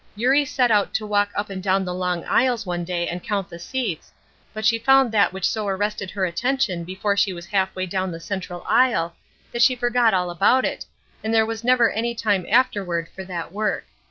Eurie set out to walk up and down the long aisles one day and count the seats, but she found that which so arrested her attention before she was half way down the central aisle that she forgot all about it, and there was never any time afterward for that work.